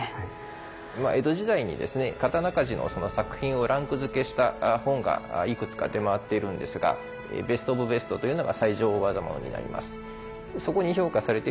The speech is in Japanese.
江戸時代にですね刀鍛冶のその作品をランク付けした本がいくつか出回っているんですがベスト・オブ・ベストというのが最上大業物になります。